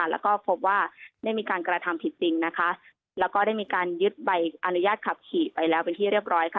แล้วก็พบว่าได้มีการกระทำผิดจริงนะคะแล้วก็ได้มีการยึดใบอนุญาตขับขี่ไปแล้วเป็นที่เรียบร้อยค่ะ